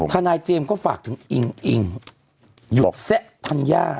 ทนายเจมส์ก็ฝากถึงอิงอิงหยกแซะธัญญา